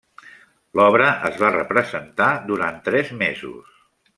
L'obra es va representar durant tres mesos.